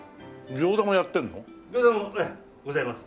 餃子もございます。